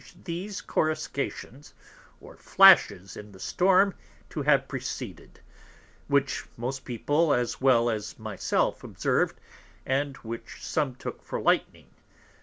And from this Explosion I judge those Corruscations or Flashes in the Storm to have proceeded, which most People as well as my self observed, and which some took for Lightning.